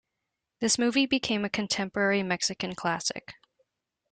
This movie became a contemporary Mexican classic.